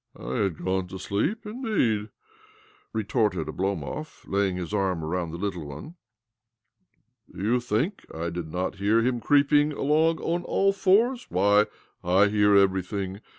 " I had gone to sleep, indeed? " retorte Oblomov, laying his arm around the litt one. "Do you think I did not hear hi creeping along on all fours? Why, I he; everything.